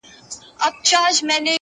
ته يې بد ايسې ـ